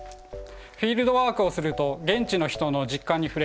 フィールドワークをすると現地の人の実感に触れ